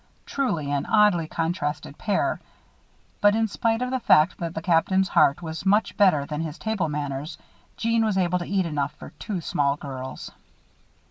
Truly an oddly contrasted pair. But in spite of the fact that the Captain's heart was much better than his table manners, Jeanne was able to eat enough for two small girls.